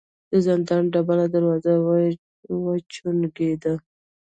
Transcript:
د زندان ډبله دروازه وچونګېده.